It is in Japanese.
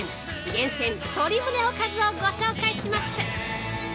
厳選鶏むねおかずをご紹介します！